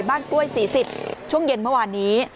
บ้านป้วยสี่สิบช่วงเย็นเมื่อวานนี้